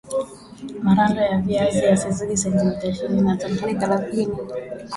marando ya viazi yasizidi sentimita ishirini na tano hadi thelathini